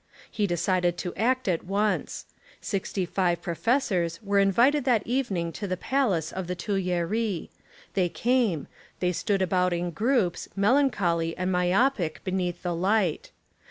He decided to act at once. Sixty five professors were invited that evening to the palace of the Tuileries. They came. They stood about in groups, mel ancholy and myopic beneath the light.